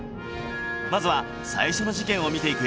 まずは最初の事件を見ていくよ